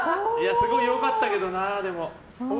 すごい良かったけどな。